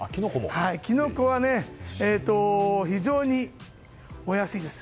キノコは非常にお安いです。